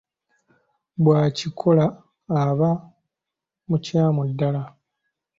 Bw'akikola aba mukyamu ddala!